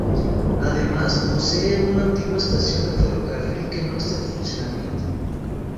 Además posee una antigua estación de ferrocarril que no está en funcionamiento.